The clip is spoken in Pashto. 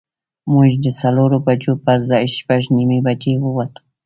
موږ د څلورو بجو پر ځای شپږ نیمې بجې ووتو.